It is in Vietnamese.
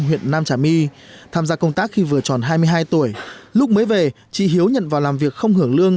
huyện nam trà my tham gia công tác khi vừa tròn hai mươi hai tuổi lúc mới về chị hiếu nhận vào làm việc không hưởng lương